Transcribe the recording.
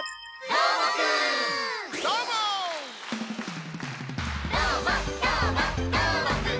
「どーもどーもどーもくん！」